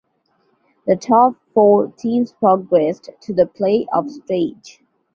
The top four teams progressed to the playoff stage.